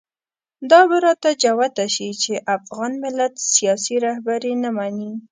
دا به راته جوته شي چې افغان ملت سیاسي رهبري نه مني.